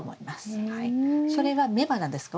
それは雌花ですか？